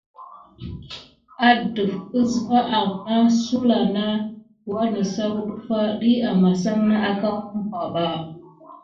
Adef əsva aŋ na sulà nà wanəsaw ɗəffa ɗiy amasan na akaw umpa ɓa.